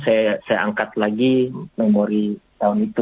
saya angkat lagi memori tahun itu